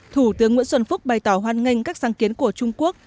thủ tướng nguyễn xuân phúc bày tỏ hoan nghênh các sáng kiến của trung quốc